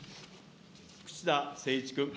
串田誠一君。